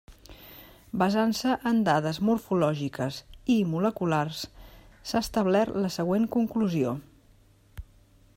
Basant-se en dades morfològiques i moleculars s'ha establert la següent conclusió.